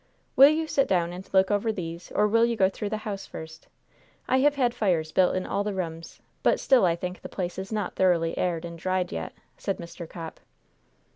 "Will you sit down and look over these, or will you go through the house first? I have had fires built in all the rooms, but still I think the place is not thoroughly aired and dried yet," said Mr. Copp.